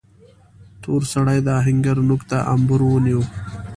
تور سړي د آهنګر نوک ته امبور ونيو.